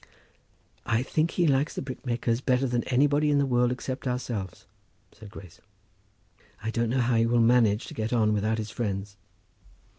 "I think he likes the brickmakers better than anybody in all the world, except ourselves," said Grace. "I don't know how he will manage to get on without his friends."